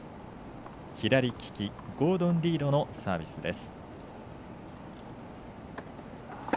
左利き、ゴードン・リードのサービスです。